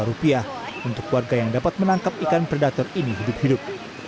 rp satu tujuh ratus untuk warga yang dapat menangkap ikan predator ini hidup hidup